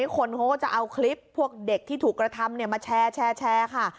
คนเขาก็จะเอาคลิปพวกเด็กที่ถูกกระทำมาแชร์ค่ะ